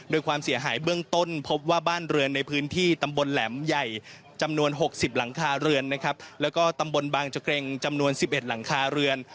โดยความเสียหายเบื้องต้นพบว่าบ้านเรือนในพื้นที่ตำบลแหลมใหญ่จำนวน๖๐หลังคาเรือนนะครับแล้วก็ตำบลบางเจเกร็งจำนวน๑๑หลังคาเรือน